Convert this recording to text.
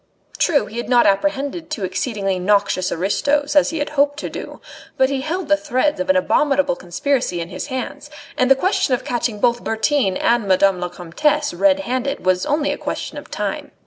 True, he had not apprehended two exceedingly noxious aristos, as he had hoped to do; but he held the threads of an abominable conspiracy in his hands, and the question of catching both Bertin and Madame la Comtesse red handed was only a question of time.